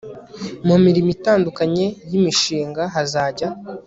mu mirimo itandukanye y imishinga hazajya